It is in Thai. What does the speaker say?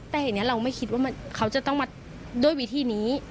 แต่ทีนี้เราไม่คิดว่าเขาจะต้องมาด้วยวิธีนี้